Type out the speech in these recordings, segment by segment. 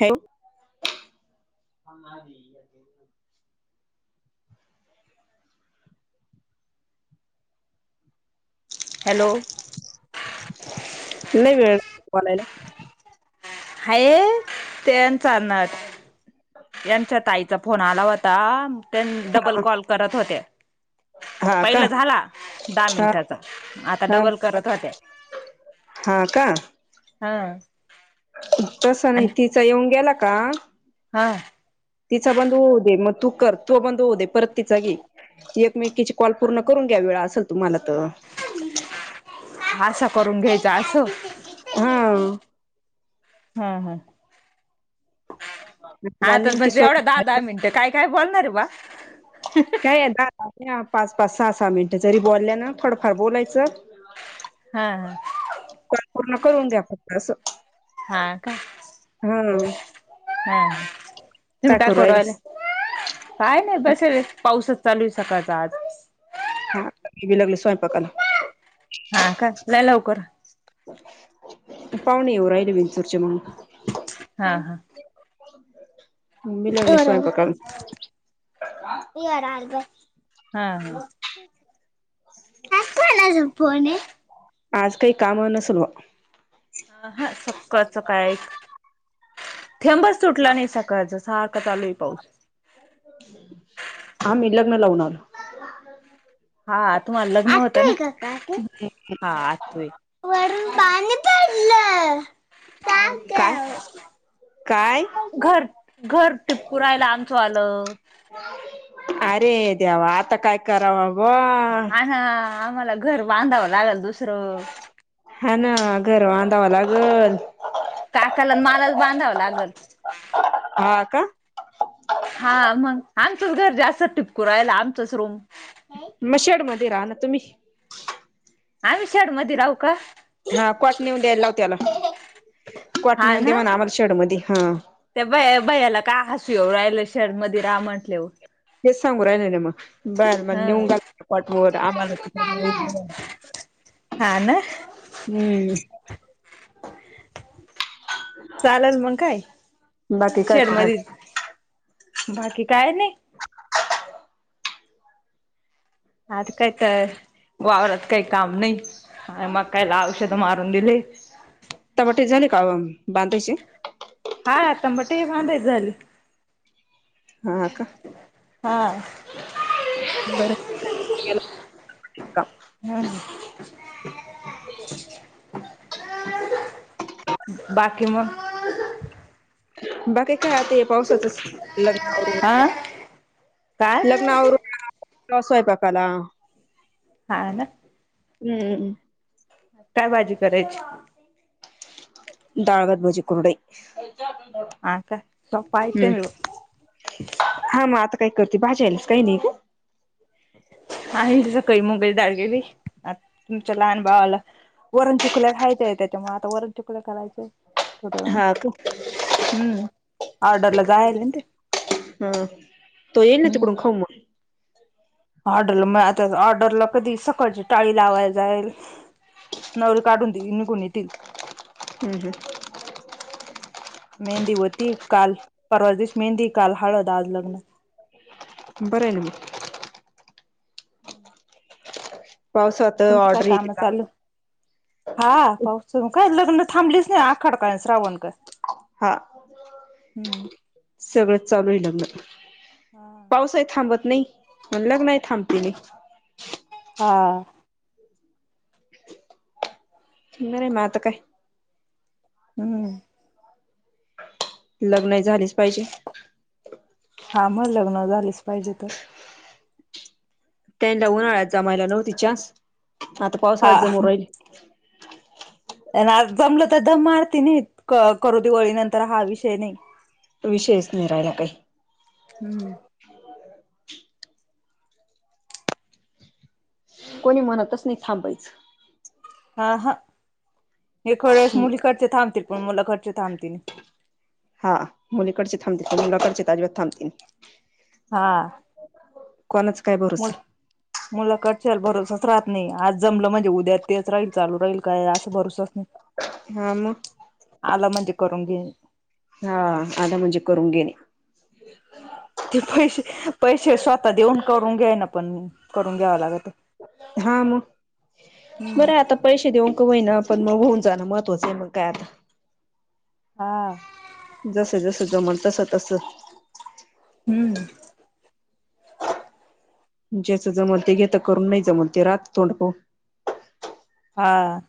हव हॅलो, नाही वेळ बोलायला हाय ते चालणार यांच्या ताईचा फोन आला होता त्यां डबल कॉल करत होते. हा का पहिलं झाला दहा हा मिनिटाचा आता डबल करत होतते. हो का, हा तसं नाही तिचा येऊन गेला का, हां तिचा बंद होऊ दे मग तू कर तो बंद होऊ दे परत तिचा घे एक मी तीचे कॉल पूर्ण करून घ्या वेळ असेल तुम्हाला तर, हसं करून घ्यायच असं, हां, हं हं मला आता नेमकी जसं सोय एवढं दहा दहा मिनटं काय? काय बोलणारं बुवा? काय पाच पाच सहा सहा मिनटं जरी बोलल्याना फडफड बोलायचं. हा हा, काॅल पुर्ण करून जात्यात असं. हां का हा हं तुम्ही काय करू राहीले. काय नाही बस पाऊसचं चालू सकाळचं आज. हा मीबी लागलो स्वयंपाकाला. हां का लै लवकर. पावणे येऊ रायले विंचूरचे मग, हा हा, मी लागले वर स्वयंपाकाला. निहाराल का? हा हा. आज कोनाचा फोन हे? आज काही कामं नसल बुवा. हं हा सक्काळचं काय? थेंबभर सुटला नाही सकाळचा, सारखा चालूय पाऊस. [inaudible] आम्ही लग्न लावून आलो. हा तुम्हाला लग्न होत न? आतु हे की काय हां आतू हे वरून पाणी पडलयं. काव काय? काव. काय? घर घर टिपकु राहयलं आंमचं वालं. अरे देवा आता काय करावं बुवा. हां आम्हाला घर बांधव लागल दुसरं. हां ना घर बांधवं लागल. काकाला अनं मालाच बांधावं लागल. हा का? हा मग. आमचंच घर जास्त टिपकू राहिल, आमचंच रूम. म शेड मध्ये रहा ना तुम्ही. आम्ही शेड मध्ये राहू का? हा कॉट नेऊन द्याय लाव त्याला. कॉट हा नेऊन दे ना म्हणा आम्हाला शेड मध्ये हा. त्या भैया भैयाला काय हसू येऊ राहिलं शेड मध्ये राहा म्हटल्यावर. तेच सांगू राहिले ना मग. बर मग हा. नेऊन घाल पाठमोर आम्हाला तिकडे हम्. हा ना. हम्म. चालंल मग काय, बाकी काय करू शेडमध्यी. राहिले? बाकी काय नाही. आज काय तर वावरात काय काम नाही. मकायला औषध- मारून दिले. टमाटे झाले का बांधायचे? हा टमाटे बांधायचे झाले. हा का? हा़ बरं का [inaudible] हम [inaudible] बाकी मग. बाकी- हा ते पावसाचच लग्न आवरून. हा काय लग्ना आवरून. मग स्वयंपाकाला. हा ना. हम्म हम्. काय भाजी करायची? डाळ, भात, भजी, कुरडई. हा का? सोपा हम्म आयटम आहे मग. हा मग आता काय करती भाज्यालाच काही नाही ग. आणी सकाळी मुगाची डाळ केली तुमच्या लहान बाळाला. वरण चकुल्या खायचेय त्याच्यामुळे आता वरण चकुल्या करायचंय. थोड हा का हम्म ऑर्डरला जायल ना ते? हा तो येईल ना हम्म तिकडून खाऊन मग. ऑर्डरला मेय आता ऑर्डरला कधी सकाळची टाळी लावायला जाईल. नल काढून देइल निघून येतील. हम्. [inaudible] मेहंदी होती काल. परवा दिवशी मेहंदी काल हळद आज लग्न. बरं आहे ना मग? पावसात तुमच काय ऑर्डर येते काम का चालू? हा पाऊस काय लग्न थांबलीच नाही आखाड काय आणि श्रावण काय. हां [inaudible] सगळंच चालू आहे लग्न. हा पाऊसही थांबत नाही. मग लग्नही थांबतेली. हा बर आहे मग आता काय? हम्म लग्न हे झालेच पाहिजे. हा मग लग्न झालेच पाहिजे तर. काहीना उन्हाळ्यात जमायला नव्हतीच चान्स. आता पावसाळ्यात हा जमुन राहीली. त्यांना जमलं तर दम मरतील ती नाही. करू दिवाळी नंतर हा विषय नाही. विषयच नाही राहिला काही. हम्म कोणी म्हणतस नाही थांबायचं. आ हा एक वेळेस मुलीकडचे थांबतील. पण, मुला कडचे थांबतील हा मुलीकडचे थांबतील पण मुलाकडचे तर आजिबात थांबत नाहीत. हा कोणाचा काय भरोसा? मुला कडच्याला भरोसाच राहत नाही. आज जमलं म्हणजे उद्या तेच राहील चालू राहील काय असं भरोसाच नाही. [inaudible] हा मग. आला म्हणजे करून घेई. हाअ आलं म्हणजे करून घेणे. [unintelligible] ते पैसे- पैसे स्वतः देऊनं करून घ्यावय नां पणं करून लागल. हा मगं. हम्म. बरं आतां पैसे देऊन कां? होईना पणं मगं होऊन जाणं महत्त्वाचं आहे मगं कायं? आता. हा. जसं- जसं जमेलं. तसं- तसं. हंम्म. ज्याचं जमतं ते घेत करून, नाही जमत ते राहातं थोडं पाहू. हा.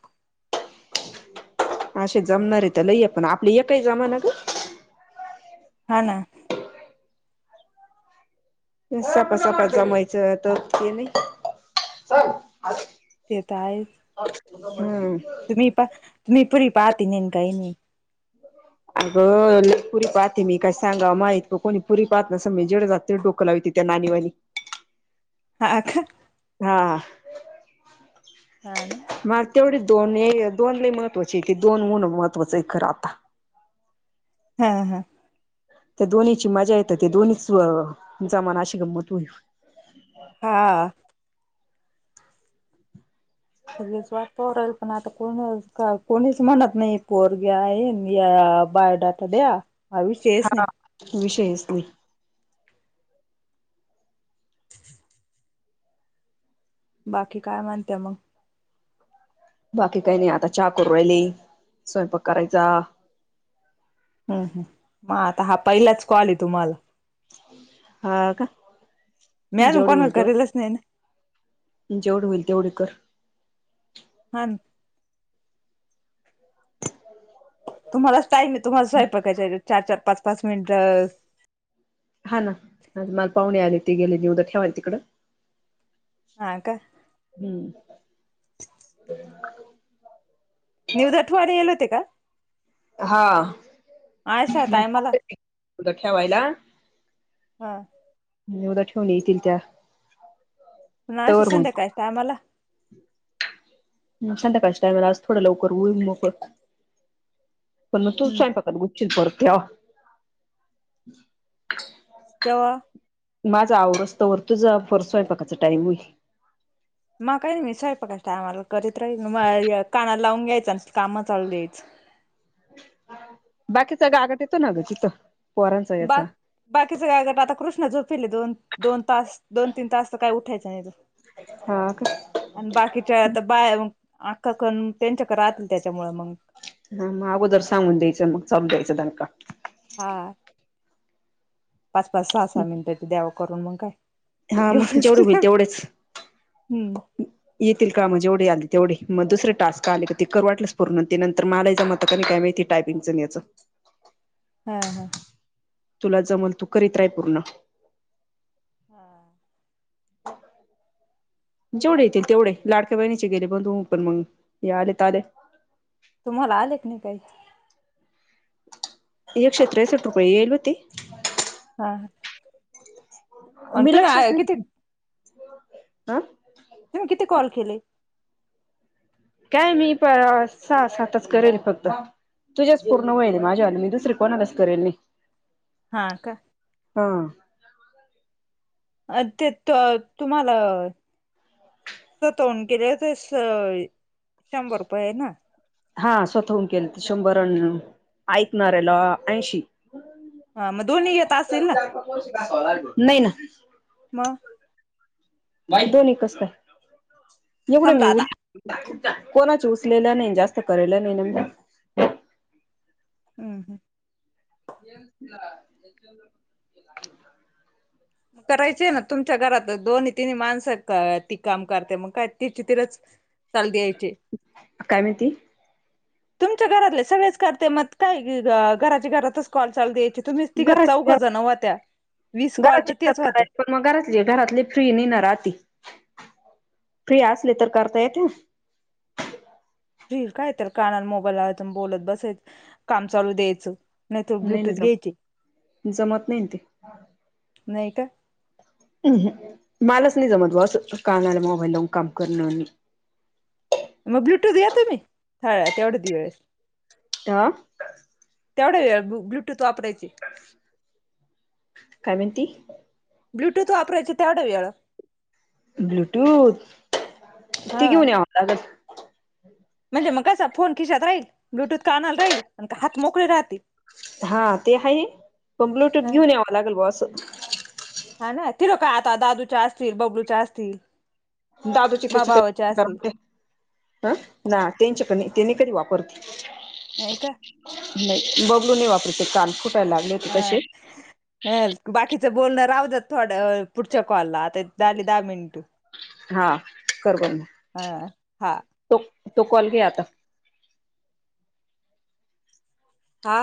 असे जमणार तर लई आहेत. पण, आपले हे काही जमानां गं. हां नां. सपा - सपा जमायचं तरं हें नाही. - [inaudible] तेेतं हायचं. [unintelligible] हंम्म तुम्हीं पणं पुरी बाती नेन काही नाहीं. - [inaudible] [inaudible] अगं लय पुरी पाहे मी काय सांगाव मा इतकं कोणी पुरी पाहत नसन मी जेड जातं डोकं- खोलावी तिथे त्या नानी वाय. हां का हांआ हा ते मगच्या एवढी दोनं हे दोनं लय महत्वांचेती दोन म्हुण महत्वाचं आहे खरं आतां. हां आ त्याअ दोन्हींची मजा येत ते दोन्हीचंअ जमनां अशी गंमत होती. हांअं सगळे स्व वाटपाहून राहील पणं आतां कोण कां कोणीचं म्हणत नाही पोरग्या आहे या बाघाया. तूलया द्या आमीष केस नाही. - [inaudible] विषयचं नाही. बाकी कायं म्हणतेअ मगं. बाकी काही नाही आतां चहा करून राहिली स्वयंपाकं करायचां. हम्म हंम्म मा आता हां पहिलाचं कॉल आहे तुम्हाला. हां कां. मीनं अजून कोणा करेलचं लक्ष देत नाही नां. जेवढे होईलं तेवढं हा तुम्हालाचं टाईमं आहे, तुम्हाला स्वयंपाकाच्या चारं-चखर पाचं-पाचं मिनिटं हां नां मला पाहुणे आले ते गेले नीउदं ठेवाले नं तिकडं. - हांय कां ह्म्म्म. निवद ठेवायला गेले होते कां. हांअ अशा ठेवायलाही. - [inaudible] हांअ. -् नैउद्या ठेऊून येतील त्यां. नाई अशा संध्याकाळच्या टायमाहला. मगं संधयाकाळच्या टायमला आज थोडं लवकर होईल मोकळ पणं मगं तू हम्म स्वयंपाकात. परत [inaudible] तेंव्हां, माझा आवरु स्तावर तुझा पण स्वंयपाकाचा टाइम होईलं. माझं काही नाही मी स्वयपाकाच्या टायमाला करीत राहील म कानाला लावून घ्यायचं आणि काम चालू द्यायचं बाकीचा ग आगट येतो ना ग तिथं पोरांचा हे आ बाकीचं काय करनार आता कृष्णा झोपीले दोन दोन तास दोन तीन तास तर काय उठायचं नाही तो हा का आणि बाकीच्या आता बाया व आख्ख खण त्यांच्याकडे राहतील त्याच्यामुळे मंग हा मग अगोदर सांगून द्यायचं अन् मग चालू द्यायचं दणका हा पाच-पाच, सहा- सहा मिनटां आहे तर द्यावं करून मग काय. हा मग जेवढं होईल एवढं. तेवढेच. हम्म येतील का मग जेवढे आले तेवढे मग दुसरे टास्क आले का ते करू वाटलंस पूर्ण ते नंतर मला ही जमत त का नाही, काय माहिती टायपिंगच न याचं हा- हा. तुला जमलं तू करीत राहि पूर्ण. हा, जेवढे येतील तेवढे लाडक्या बहिणीचे गेले बंद होऊन, पण मग हे आलेत आले. तुम्हांला आले क नाही काही? एकशे त्रेसष्ट रूपये येलं होते. हा हं, मी लक्षच नाही किती दे तुम्ही किती कॉल केले? काय मी प सहा- सातच करेलं ये फक्त. तुझेच पूर्ण होयेलं ये माझे वाले मी दुसरी कोणालाच करेल नाही. हा का? हा, अ ते तर तुम्हांला स्वतः हून केलं शं ये ते शंभर रुपये ये ना हा स्वतः होऊन केले तर शंभर अन् ऐकणाऱ्याला ऐंशी. मग दोन्ही येत असतील ना नाही ना. म, लाईट नही कसं काय, एवढे नई समजा आता होइल. कोणाचे उचलेलं नही, जास्त करेलं नही ना मी. अं, हु [inaudible] करायचे ना तुमच्या घरातच दोन्ही, तिन्ही माणसं ती काम करते मग तिथचे तिथ चालु द्यायचे. काय म्हणती तुमच्या घरातले सगळेच करत्या, मग काय घराच्या घरातच कॉल चालु द्यायचे. ते तुम्हीच तीघं- चौघे जण होत्या, वीस कॉल घरातचे तर तेच काय होते पण मग घरातले -घरातली फ्री नाही ना राहती, फ्री असली तर करता येत्या. फ्री काय तर कानाला मोबाईल लावायचा आणि बोलत बसायचं काम चालू द्यायचं. नाही तर ब्लुटूथ नाही घ्यायचे, जम जमत नाही ते नाही त अं, हू, मलाच नाही जमतं बा असं कानाला मोबाईल लावून काम करणं. मग ब्लूटूथ घ्या तुम्ही, हं थोड्या दिवस. आ, तेवढ्या वेळेत ब्लूटूथ वापरायचे. काय म्हणती? ब्लूटूथ वापरायचे तेवढ्या वेळ. ब्लुटुथ ते हा घेवून यावं लागंल. म्हणजे मग कसा फोन खिशात राहील, ब्लूटूथ कानाला राहील, हात मोकळे राहतील. हा ते आहे, पण ह ब्लूटूथ घेऊन यावं लागल बा असं हा ना तिला काय आता दादूच्या असतील, बबलूच्या असतील. दादुचे अन् मा तिचे भावाच्या काय असतील जमतेय हं ना त्यांच्याक पण नाही, ते नही कधी वापरती. नाही का? नाही बबलू नाही वापरत ते कान फुटायला लागलेत. हां. ह बाकीचं बोलणं राहुदेत थोडं पुढच्या कॉलला आता झाली दहा मिनिट. हां कर बरं ह मग हा तो तो कॉल घे आता. आ